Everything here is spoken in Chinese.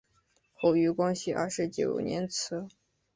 后于光绪二十九年祠。